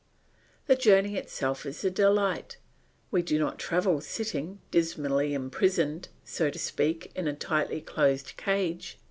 The journey itself is a delight. We do not travel sitting, dismally imprisoned, so to speak, in a tightly closed cage.